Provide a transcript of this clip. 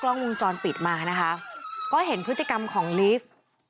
กล้องวงจรปิดมานะคะก็เห็นพฤติกรรมของลีฟ